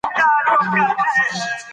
که روزنه سمه وي نو ماشوم نه بې لارې کېږي.